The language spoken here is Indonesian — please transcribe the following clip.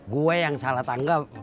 gue yang salah tangga